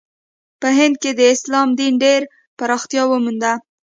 په هند کې د اسلام دین ډېره پراختیا ومونده.